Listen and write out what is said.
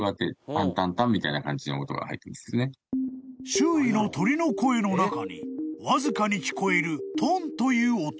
［周囲の鳥の声の中にわずかに聞こえる「トン」という音］